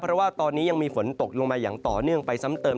เพราะว่าตอนนี้ยังมีฝนตกลงมาอย่างต่อเนื่องไปซ้ำเติม